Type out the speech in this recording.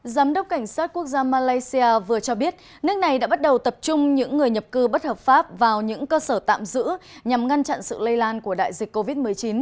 giám đốc cảnh sát quốc gia malaysia vừa cho biết nước này đã bắt đầu tập trung những người nhập cư bất hợp pháp vào những cơ sở tạm giữ nhằm ngăn chặn sự lây lan của đại dịch covid một mươi chín